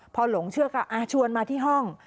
พอหลงเชื่อก็ชวนมาที่ห้อง